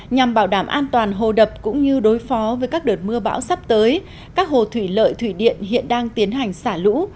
nhằm bảo đảm an toàn hồ đập cũng như đối phó với các đợt mưa bão sắp tới các hồ thủy lợi thủy điện hiện đang tiến hành xả lũ